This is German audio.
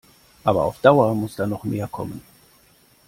Aber auf Dauer muss da noch mehr kommen.